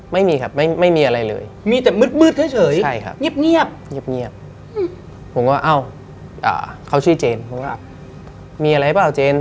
ไม่มีครับไม่มีอะไรเลย